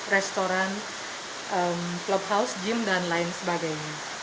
restoran clubhouse gym dan lain sebagainya